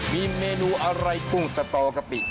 มีเมนูอะไรกุ้งสตกะปิ